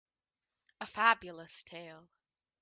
A Fabulous tale.